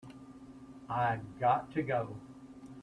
I've got to go.